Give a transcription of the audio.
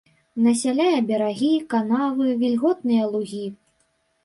Насяляе берагі, канавы, вільготныя лугі.